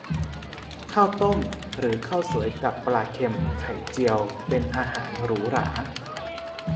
ข้าวต้ม หรือข้าวสวยกับปลาเค็ม ไข่เจียว เป็นอาหารหรูหรา